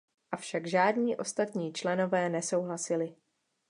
Avšak žádní ostatní členové nesouhlasili.